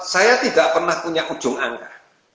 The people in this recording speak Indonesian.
saya tidak pernah punya ujung angka